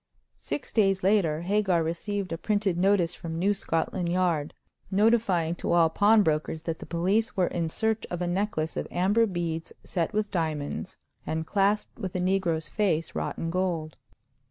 Six days later Hagar received a printed notice from New Scotland Yard, notifying to all pawn brokers that the police were in search of a necklace of amber beads set with diamonds, and clasped with a negro's face wrought in gold.